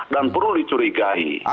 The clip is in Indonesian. dan perlu dicurigai